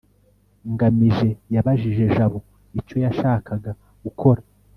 ngamije yabajije jabo icyo yashakaga gukora